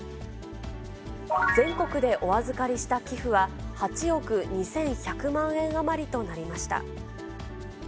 全国でお預かりした寄付は、８億２１００万円余りとなりました。